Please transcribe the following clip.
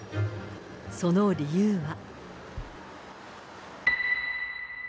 その理由は。